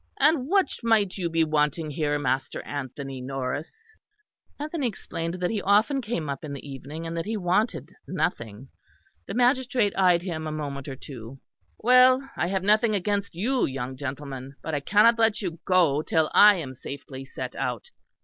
"And what might you be wanting here, Master Anthony Norris?" Anthony explained that he often came up in the evening, and that he wanted nothing. The magistrate eyed him a moment or two. "Well, I have nothing against you, young gentleman. But I cannot let you go, till I am safely set out.